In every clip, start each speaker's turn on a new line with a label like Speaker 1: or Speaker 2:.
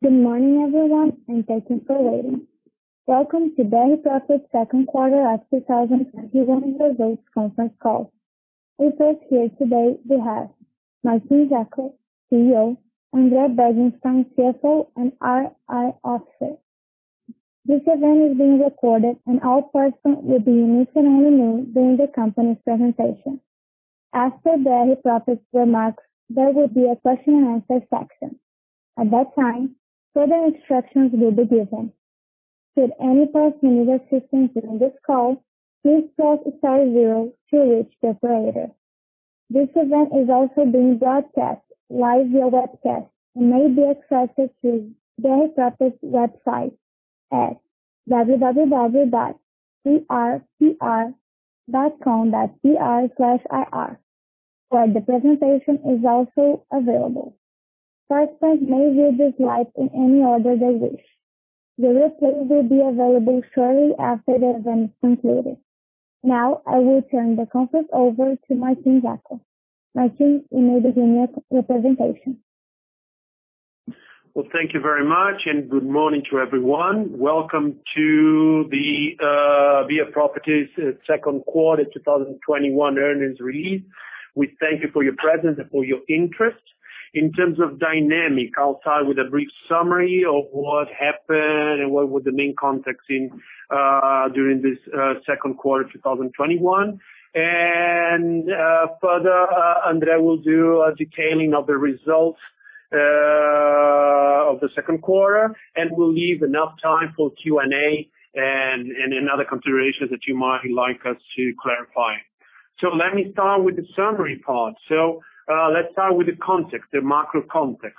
Speaker 1: Good morning, everyone, and thank you for waiting. Welcome to BR Properties' Second Quarter of 2021 Results Conference Call. Also here today, we have Martín Jaco, CEO, André Bergstein, CFO, and IR Officer. This event is being recorded, and all persons will be in listen only mode during the company's presentation. After the BR Properties remarks, there will be a question and answer section. At that time, further instructions will be given. Should any party need assistance during this call, please press star zero to reach the operator. This event is also being broadcast live via webcast and may be accessed through BR Properties website at www.brpr.com.br/ir, where the presentation is also available. Participants may view the slides in any order they wish. The replay will be available shortly after the event is completed. I will turn the conference over to Martín Jaco. Martín, you may begin your presentation.
Speaker 2: Well, thank you very much and good morning to everyone. Welcome to the BR Properties Second Quarter 2021 Earnings Release. We thank you for your presence and for your interest. In terms of dynamic, I'll start with a brief summary of what happened and what were the main context during this second quarter 2021. Further, André will do a detailing of the results of the second quarter, and we'll leave enough time for Q&A and any other considerations that you might like us to clarify. Let me start with the summary part. Let's start with the context, the macro context.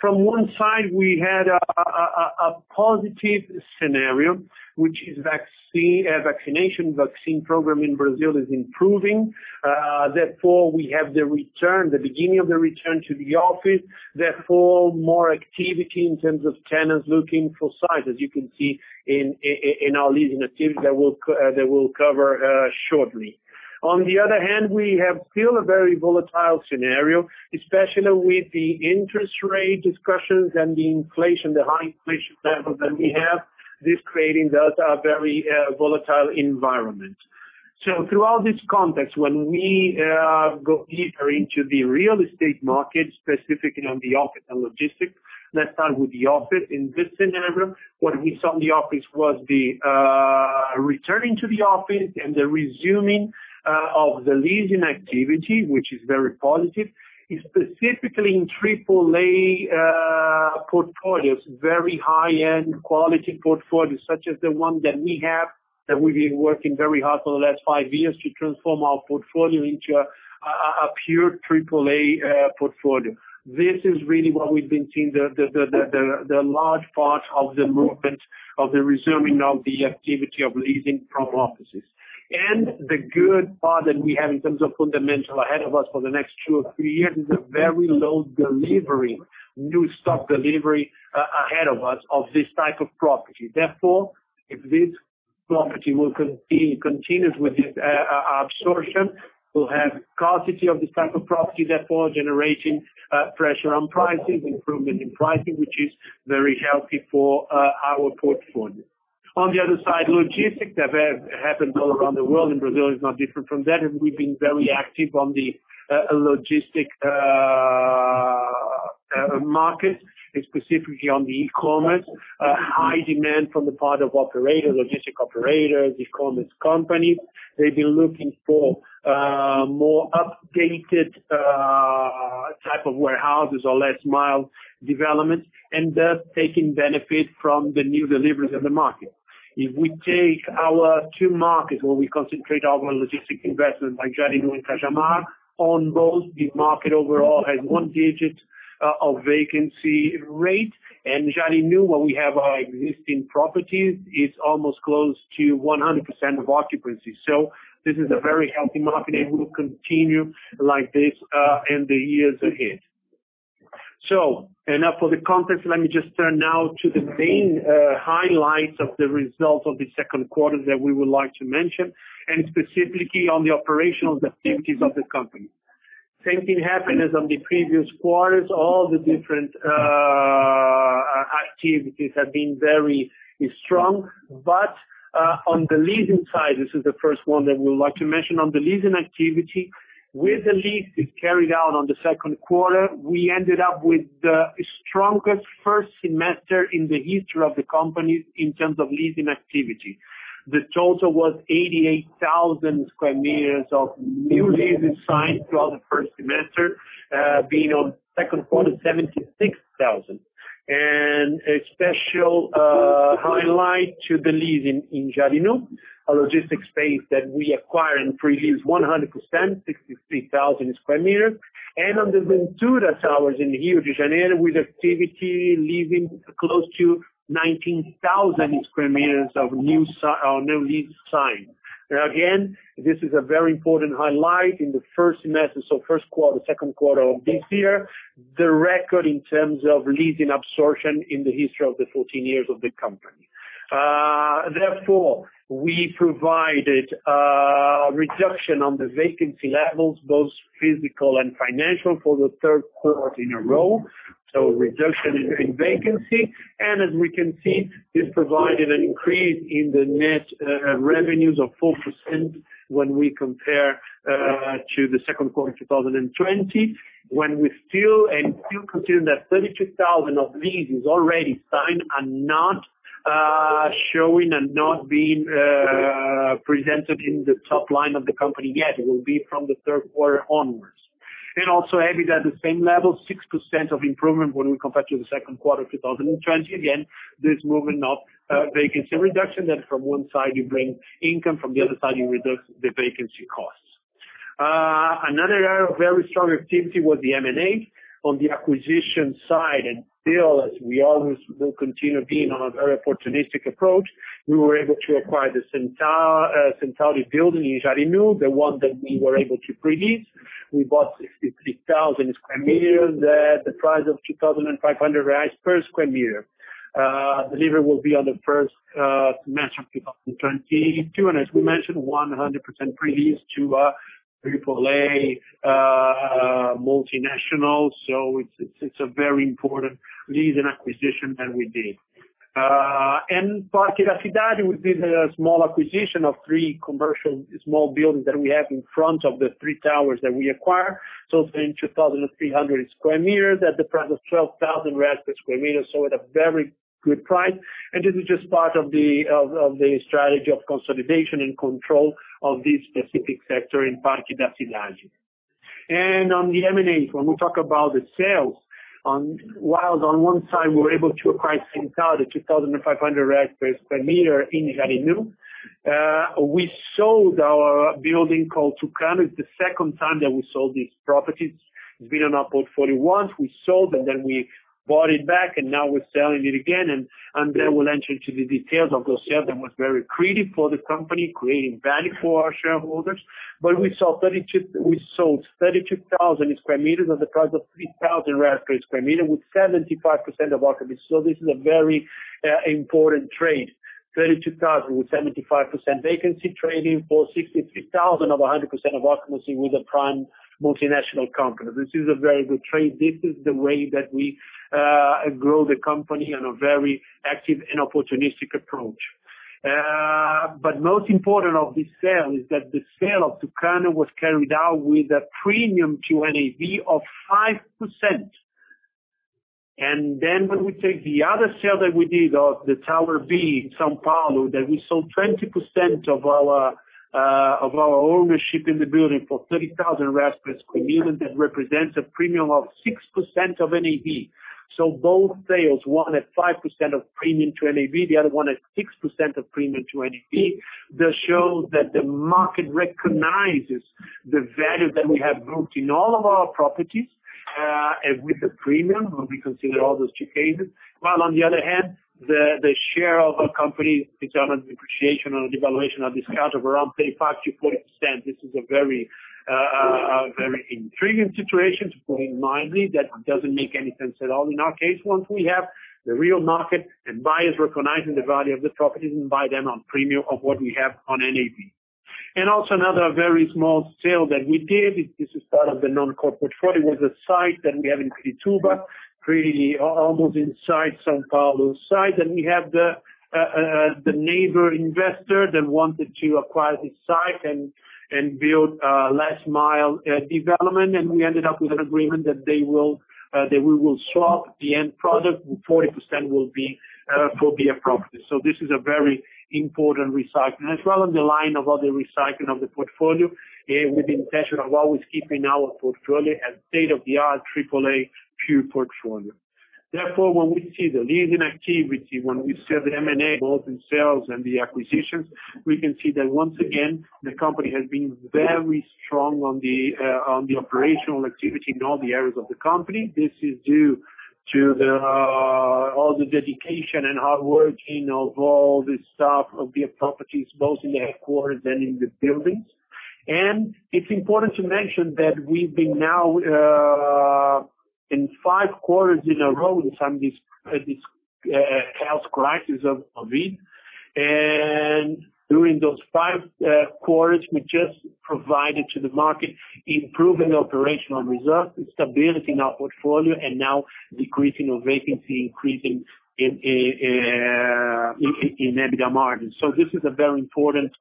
Speaker 2: From one side, we had a positive scenario, which is a vaccination program in Brazil is improving. We have the beginning of the return to the office, therefore, more activity in terms of tenants looking for sites, as you can see in our leasing activity that we'll cover shortly. We have still a very volatile scenario, especially with the interest rate discussions and the high inflation levels that we have. This creating thus a very volatile environment. Throughout this context, when we go deeper into the real estate market, specifically on the office and logistics, let's start with the office. In this scenario, what we saw in the office was the returning to the office and the resuming of the leasing activity, which is very positive, specifically in AAA portfolios, very high-end quality portfolios, such as the one that we have, that we've been working very hard for the last five years to transform our portfolio into a pure AAA portfolio. This is really what we've been seeing, the large part of the movement of the resuming of the activity of leasing from offices. The good part that we have in terms of fundamental ahead of us for the next two or three years is a very low new stock delivery ahead of us of this type of property. If this property continues with this absorption, we will have scarcity of this type of property, therefore, generating pressure on prices, improvement in pricing, which is very healthy for our portfolio. On the other side, logistics that happened all around the world, and Brazil is not different from that, and we've been very active on the logistic market, specifically on the e-commerce. High demand from the part of logistic operators, e-commerce companies. They've been looking for more updated type of warehouses or last mile development, and thus taking benefit from the new deliveries in the market. If we take our two markets where we concentrate our logistic investment, like Jandira and Cajamar, on both, the market overall has one digit of vacancy rate. Jandira, where we have our existing properties, is almost close to 100% of occupancy. This is a very healthy market and will continue like this in the years ahead. Enough of the context. Let me just turn now to the main highlights of the results of the second quarter that we would like to mention, and specifically on the operational activities of the company. Same thing happened as on the previous quarters. All the different activities have been very strong. On the leasing side, this is the first one that we would like to mention. On the leasing activity, with the leases carried out on the second quarter, we ended up with the strongest first semester in the history of the company in terms of leasing activity. The total was 88,000 sq m of new leases signed throughout the first semester, being on second quarter 76,000 sq m. A special highlight to the leasing in Jandira, a logistics space that we acquired and pre-leased 100%, 63,000 sq m. On the Ventura Towers in Rio de Janeiro, with activity leasing close to 19,000 sq m of new lease signed. This is a very important highlight in the first semester, first quarter, second quarter of this year, the record in terms of leasing absorption in the history of the 14 years of the company. We provided a reduction on the vacancy levels, both physical and financial, for the third quarter in a row. Reduction in vacancy, and as we can see, this provided an increase in the net revenues of 4% when we compare to the second quarter 2020. We still consider that 32,000 of these is already signed and not showing and not being presented in the top line of the company yet. It will be from the third quarter onwards. EBITDA at the same level, 6% of improvement when we compare to the second quarter 2020. Again, this movement of vacancy reduction, that from one side you bring income, from the other side, you reduce the vacancy costs. Another area of very strong activity was the M&A. On the acquisition side, as we always will continue being on a very opportunistic approach, we were able to acquire the Centauri building in Jandira, the one that we were able to pre-lease. We bought 63,000 sq m at the price of 2,500 reais per sq m. Delivery will be on the first semester of 2022, as we mentioned, 100% pre-leased to a AAA multinational. It's a very important leasing acquisition that we did. Parque da Cidade, we did a small acquisition of three commercial small buildings that we have in front of the three towers that we acquire. It's been 2,300 sq m at the price of BRL 12,000 per sq m, at a very good price. This is just part of the strategy of consolidation and control of this specific sector in Parque da Cidade. On the M&A, when we talk about the sales, whilst on one side we were able to acquire Centauri at 2,500 per sq m in Jandira, we sold our building called Tucano. It's the second time that we sold this property. It's been in our portfolio once. We sold and then we bought it back, now we're selling it again. André will enter into the details of that sale that was very accretive for the company, creating value for our shareholders. We sold 32,000 sq m at the price of BRL 3,000 per sq m with 75% of occupancy. This is a very important trade, 32,000 with 75% vacancy trading for 63,000 of 100% of occupancy with a prime multinational company. This is a very good trade. This is the way that we grow the company on a very active and opportunistic approach. Most important of this sale is that the sale of Tucano was carried out with a premium to NAV of 5%. When we take the other sale that we did of the Torre B in São Paulo, that we sold 20% of our ownership in the building for 30,000 per sq m, that represents a premium of 6% of NAV. Both sales, one at 5% of premium to NAV, the other one at 6% of premium to NAV, that show that the market recognizes the value that we have built in all of our properties, with a premium when we consider all those two cases. On the other hand, the share of a company determined depreciation or devaluation or discount of around 35%-40%. This is a very intriguing situation to put in mind, that doesn't make any sense at all in our case once we have the real market and buyers recognizing the value of the properties and buy them on premium of what we have on NAV. Also another very small sale that we did, this is part of the non-core portfolio, was a site that we have in Pirituba, pretty almost inside São Paulo site. We have the neighbor investor that wanted to acquire this site and build a last mile development. We ended up with an agreement that we will swap the end product, and 40% will be for BR Properties. This is a very important recycling, as well on the line of other recycling of the portfolio, with the intention of always keeping our portfolio as state-of-the-art, AAA pure portfolio. Therefore, when we see the leasing activity, when we see the M&A, both in sales and the acquisitions, we can see that once again, the company has been very strong on the operational activity in all the areas of the company. This is due to all the dedication and hard working of all the staff of BR Properties, both in the headquarters and in the buildings. It's important to mention that we've been now in five quarters in a row since this health crisis of COVID, and during those five quarters, we just provided to the market improving operational results and stability in our portfolio, and now decreasing of vacancy, increasing in EBITDA margins. This is another important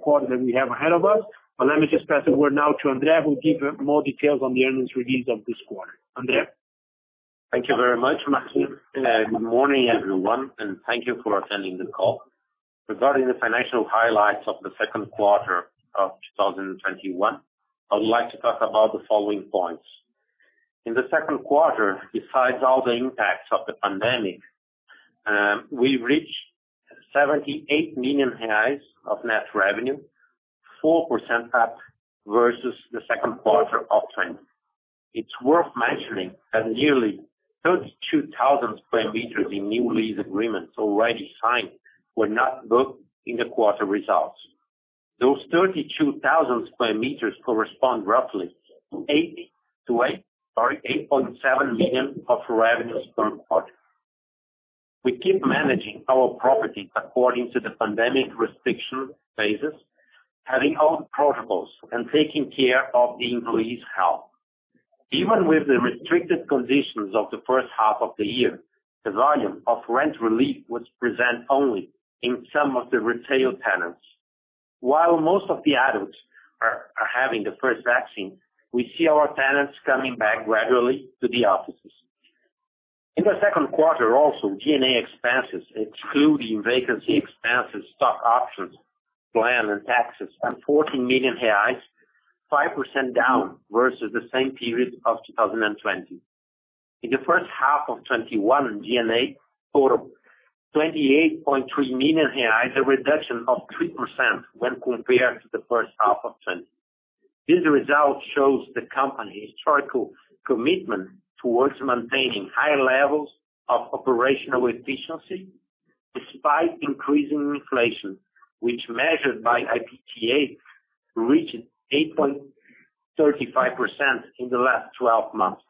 Speaker 2: quarter that we have ahead of us. Let me just pass the word now to André, who give more details on the earnings release of this quarter. André?
Speaker 3: Thank you very much, Martín. Good morning, everyone, and thank you for attending the call. Regarding the financial highlights of the second quarter of 2021, I would like to talk about the following points. In the second quarter, besides all the impacts of the pandemic, we reached 78 million reais of net revenue, 4% up versus the second quarter of 2020. It's worth mentioning that nearly 32,000 sq m in new lease agreements already signed were not booked in the quarter results. Those 32,000 sq m correspond roughly to 8.7 million of revenues per quarter. We keep managing our properties according to the pandemic restriction phases, having our own protocols and taking care of the employees' health. Even with the restricted conditions of the first half of the year, the volume of rent relief was present only in some of the retail tenants. While most of the adults are having the first vaccine, we see our tenants coming back gradually to the offices. In the second quarter also, G&A expenses, excluding vacancy expenses, stock options, land and taxes, 14 million reais, 5% down versus the same period of 2020. In the first half of 2021, G&A total 28.3 million reais, a reduction of 3% when compared to the first half of 2020. This result shows the company's historical commitment towards maintaining high levels of operational efficiency despite increasing inflation, which measured by IPCA, reached 8.35% in the last 12 months.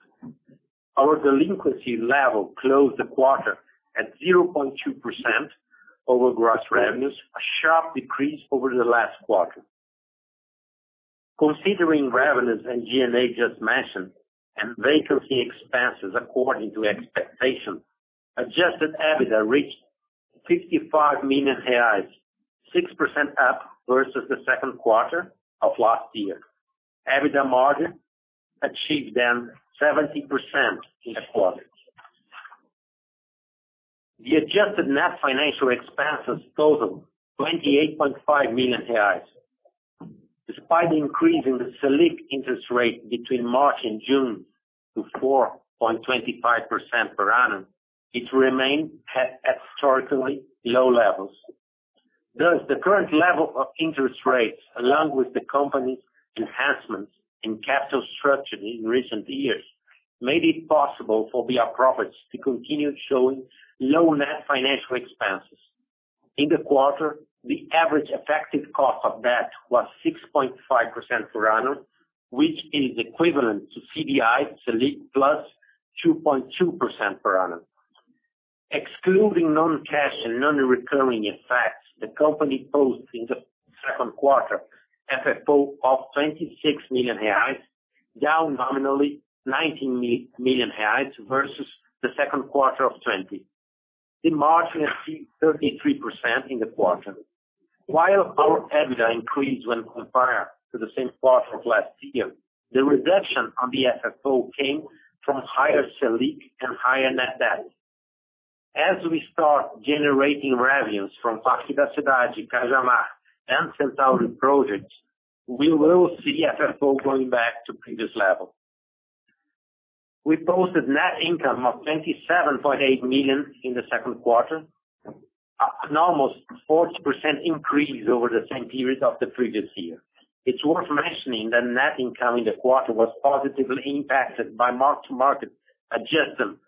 Speaker 3: Our delinquency level closed the quarter at 0.2% over gross revenues, a sharp decrease over the last quarter. Considering revenues and G&A just mentioned and vacancy expenses according to expectation, adjusted EBITDA reached 55 million reais, 6% up versus the second quarter of last year. EBITDA margin achieved then 70% in the quarter. The adjusted net financial expenses total 28.5 million reais. Despite the increase in the Selic interest rate between March and June to 4.25% per annum, it remained at historically low levels. The current level of interest rates, along with the company's enhancements in capital structure in recent years, made it possible for BR Properties to continue showing low net financial expenses. In the quarter, the average effective cost of debt was 6.5% per annum, which is equivalent to CDI, Selic +2.2% per annum. Excluding non-cash and non-recurring effects, the company posts in the second quarter FFO of 26 million reais, down nominally 19 million reais versus the second quarter of 2020. The margin is 33% in the quarter. While our EBITDA increased when compared to the same quarter of last year, the reduction on the FFO came from higher Selic and higher net debt. As we start generating revenues from Parque da Cidade, Cajamar, and Centauri projects, we will see FFO going back to previous level. We posted net income of 27.8 million in the second quarter, an almost 40% increase over the same period of the previous year. It's worth mentioning that net income in the quarter was positively impacted by mark-to-market adjustment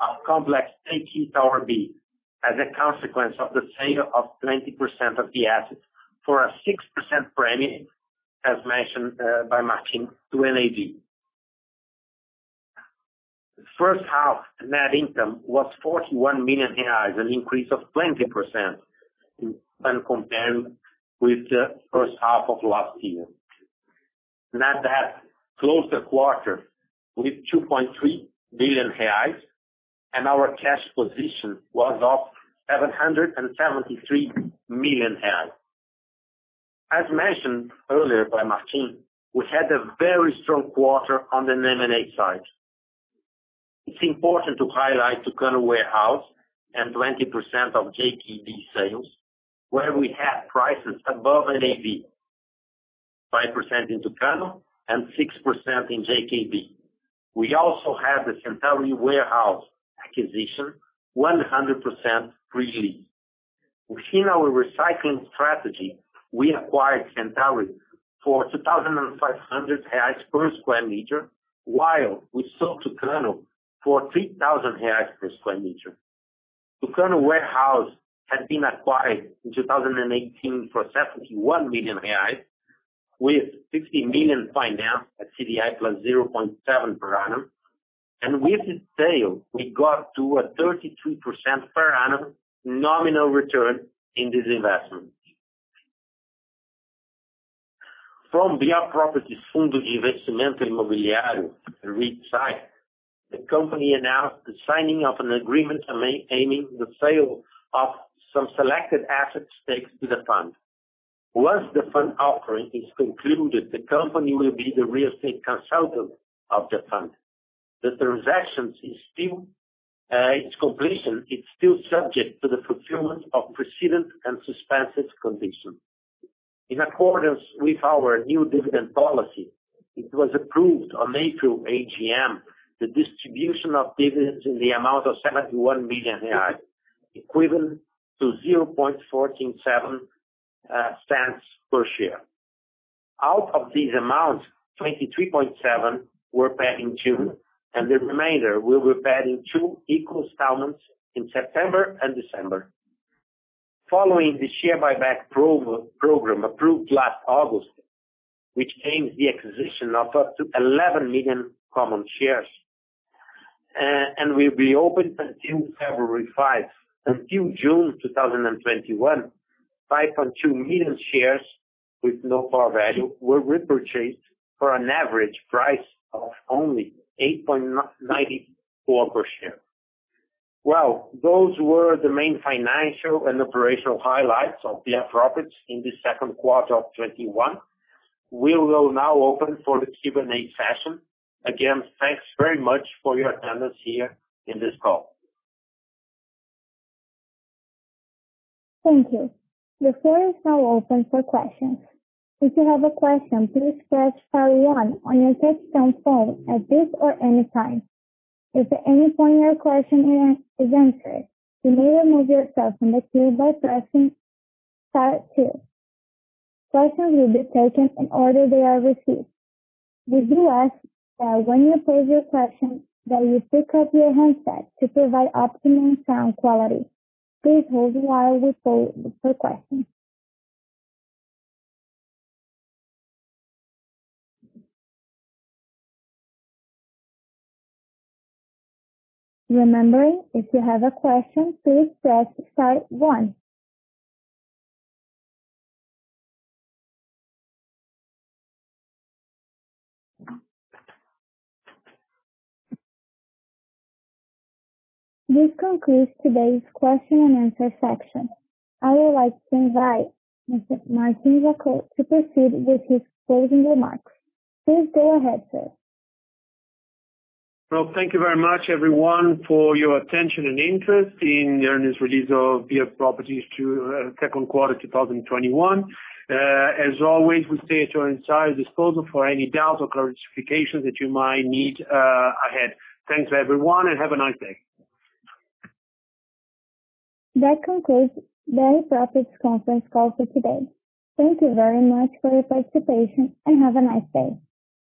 Speaker 3: of Complexo JK - Torre B as a consequence of the sale of 20% of the assets for a 6% premium, as mentioned by Martín to NAV. First half net income was 41 million reais, an increase of 20% when compared with the first half of last year. Net debt closed the quarter with 2.3 billion reais, and our cash position was of 773 million reais. As mentioned earlier by Martín, we had a very strong quarter on the M&A side. It's important to highlight Tucano Warehouse and 20% of JKB sales, where we had prices above NAV, 5% in Tucano and 6% in JKB. We also have the Centauri Warehouse acquisition, 100% pre-leased. Within our recycling strategy, we acquired Centauri for 2,500 reais per square meter, while we sold Tucano for 3,000 reais per square meter. Tucano Warehouse had been acquired in 2018 for 71 million reais, with 16 million financed at CDI +0.7% per annum. With the sale, we got to a 33% per annum nominal return in this investment. From BR Properties Fundo de Investimento Imobiliário, the REIT side, the company announced the signing of an agreement aiming the sale of some selected asset stakes to the fund. Once the fund offering is concluded, the company will be the real estate consultant of the fund. The transaction, its completion is still subject to the fulfillment of precedent and suspension condition. In accordance with our new dividend policy, it was approved on April AGM, the distribution of dividends in the amount of 71 million reais, equivalent to 0.147 per share. Out of these amounts, 23.7 were paid in June, and the remainder will be paid in two equal installments in September and December. Following the share buyback program approved last August, which aims the acquisition of up to 11 million common shares, and will be open until February 5th. Until June 2021, 5.2 million shares with no par value were repurchased for an average price of only 8.94 per share. Well, those were the main financial and operational highlights of BR Properties in the second quarter of 2021. We will now open for the Q&A session. Again, thanks very much for your attendance here in this call.
Speaker 1: Thank you. The floor is now open for questions. If you have a question, please press star one on your touchtone phone at this or any time. If at any point your question is answered, you may remove yourself from the queue by pressing star two. Questions will be taken in order they are received. We do ask that when you pose your question, that you pick up your handset to provide optimum sound quality. Please hold while we poll for questions. Remembering, if you have a question, please press star one. This concludes today's question and answer session. I would like to invite Mr. Martín Jaco to proceed with his closing remarks. Please go ahead, sir.
Speaker 2: Well, thank you very much, everyone, for your attention and interest in the earnings release of BR Properties second quarter 2021. As always, we stay at your entire disposal for any doubts or clarifications that you might need ahead. Thanks, everyone, and have a nice day.
Speaker 1: That concludes BR Properties conference call for today. Thank you very much for your participation, and have a nice day.